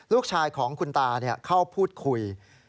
ลูกชายของคุณตาเข้าพูดคุย